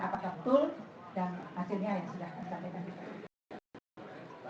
apakah betul dan hasilnya yang sudah terjadi untuk undang undang fisikotropi